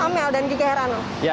amel dan jikaherano